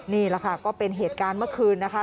นี่แหละค่ะก็เป็นเหตุการณ์เมื่อคืนนะคะ